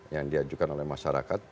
yang diajukan oleh masyarakat